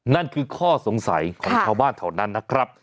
นั่นคือข้อสงสัยของชาวบ้านแถวนั้นนะครับ